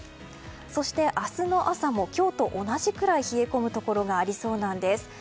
そして、明日の朝も今日と同じくらい冷え込むところがありそうなんです。